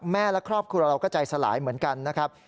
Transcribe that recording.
และครอบครัวเราก็ใจสลายเหมือนกันนะครับ